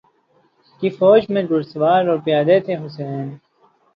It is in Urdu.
کی فوج میں گھرسوار اور پیادے تھے حسین